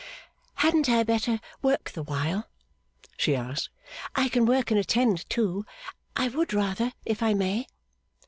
'Hadn't I better work the while?' she asked. 'I can work and attend too. I would rather, if I may.